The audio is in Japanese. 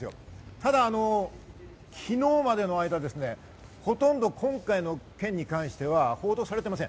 ただ昨日までの間、ほとんど今回の件に関しては報道されていません。